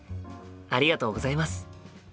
ありがとうございます。